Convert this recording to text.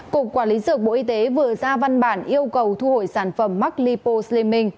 cục quản lý dược bộ y tế vừa ra văn bản yêu cầu thu hồi sản phẩm max lipo slimming